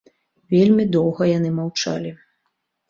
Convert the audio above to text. Вельмі доўга яны маўчалі.